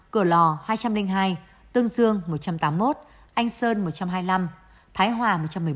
cửa lò hai trăm linh hai tương dương một trăm tám mươi một anh sơn một trăm hai mươi năm thái hòa một trăm một mươi một